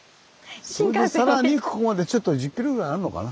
それでさらにここまでちょっと１０ｋｍぐらいあるのかな。